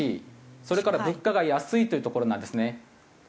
それから物価が安いというところなんですね。